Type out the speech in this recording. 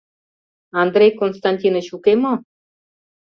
Андрей Константиныч уке мо?